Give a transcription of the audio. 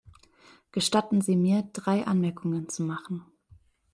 Gestatten Sie mir, drei Anmerkungen zu machen.